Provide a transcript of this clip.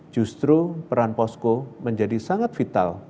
justru peran posko menjadi sangat vital